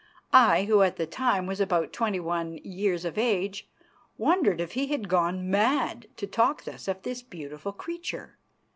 I, who at the time was about twenty one years of age, wondered if he had gone mad to talk thus of this beautiful creature.